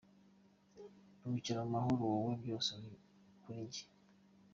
Ruhukira mu mahoro wowe byose kuri njye.